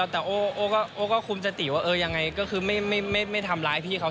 แต่โอ้ก็คุมสติว่าเออยังไงก็คือไม่ทำร้ายพี่เขา